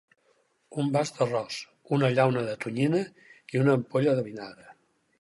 Un vas d'arròs, una llauna de tonyina i una ampolla de vinagre.